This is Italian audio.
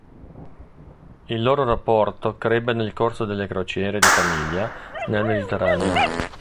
Il loro rapporto crebbe nel corso delle crociere di famiglia nel Mediterraneo.